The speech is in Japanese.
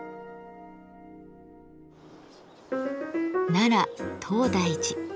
奈良東大寺。